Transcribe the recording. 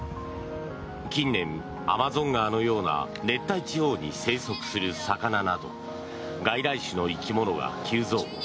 近年、アマゾン川のような熱帯地方に生息する魚など外来種の生き物が急増。